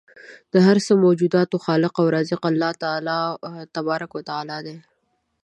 د هر څه موجوداتو خالق او رازق الله تبارک و تعالی دی